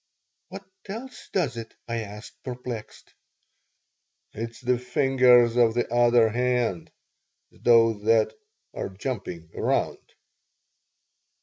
"What else does it?" I asked, perplexed "It's the fingers of the other hand, those that are jumping around."